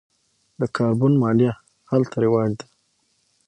د کاربن مالیه هلته رواج ده.